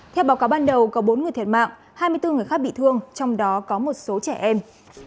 theo báo cáo ban đầu có bốn người thiệt mạng hai mươi bốn người khác bị thương trong đó có một số trẻ em